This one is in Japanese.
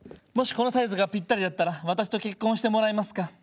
もしこのサイズがぴったりだったら私と結婚してもらえますか？」。